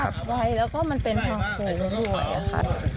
ขับไฟแล้วก็มันเป็นทางโค้งรวยครับ